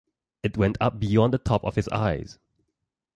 It went up beyond the top of his eyes.